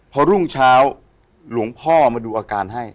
พอรุ่งเช้าหลวงพ่อมาดูอาการให้